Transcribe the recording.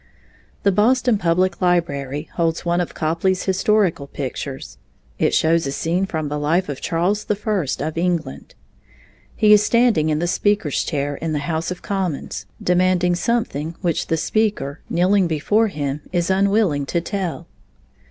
The Boston Public Library holds one of Copley's historical pictures. It shows a scene from the life of Charles the First of England. He is standing in the speaker's chair in the House of Commons, demanding something which the speaker, kneeling before him, is unwilling to tell.